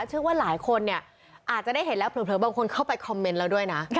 ซึ่งว่าหลายคนอาจจะได้เห็นแล้วเผลอบางคนเข้าไปคอมเมนต์เราด้วยนะ